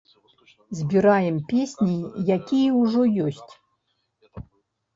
Збіраем песні, якія ўжо ёсць.